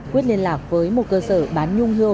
quyết liên lạc với một cơ sở bán nhung hiêu